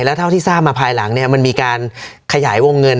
แล้วเท่าที่ทราบมาภายหลังเนี่ยมันมีการขยายวงเงิน